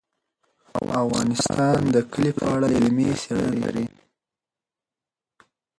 افغانستان د کلي په اړه علمي څېړنې لري.